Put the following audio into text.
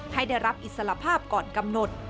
ให้ได้รับอิสระภาพก่อนกำหนด